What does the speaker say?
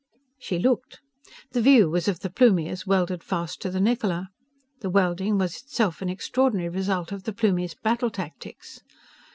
She looked. The view was of the Plumie as welded fast to the Niccola. The welding was itself an extraordinary result of the Plumie's battle tactics.